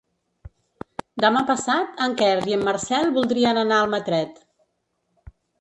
Demà passat en Quer i en Marcel voldrien anar a Almatret.